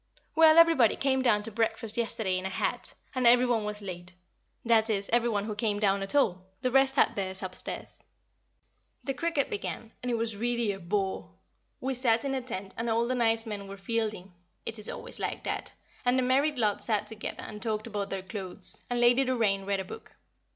Well, everybody came down to breakfast yesterday in a hat, and every one was late that is, every one who came down at all, the rest had theirs upstairs. [Sidenote: The Cricket Match] The cricket began, and it was really a bore. We sat in a tent, and all the nice men were fielding (it is always like that), and the married lot sat together, and talked about their clothes, and Lady Doraine read a book.